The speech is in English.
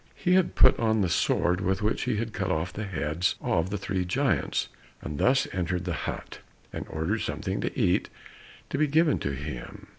He had put on the sword with which he had cut off the heads of the three giants, and thus entered the hut, and ordered something to eat to be given to him.